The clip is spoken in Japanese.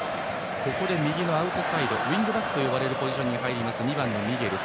ここで右のアウトサイドウイングバックと呼ばれるポジションに入るカタール２番のミゲル。